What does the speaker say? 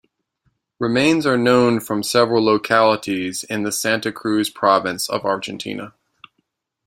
Remains are known from several localities in the Santa Cruz Province, of Argentina.